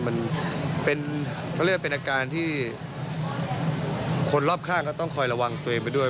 มันเป็นเขาเรียกว่าเป็นอาการที่คนรอบข้างก็ต้องคอยระวังตัวเองไปด้วย